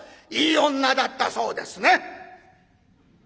いい女だったそうですね。